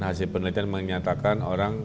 hasil penelitian menyatakan orang